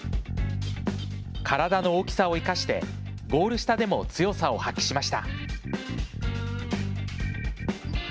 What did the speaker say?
体の大きさを生かしてゴール下でも強さを発揮しました。